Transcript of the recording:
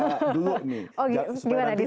oh gimana di slammer nya nih